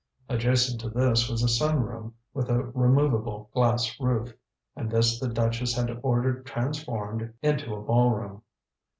Adjacent to this was a sun room with a removable glass roof, and this the duchess had ordered transformed into a ballroom.